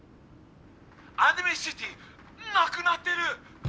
アニメシティなくなってる！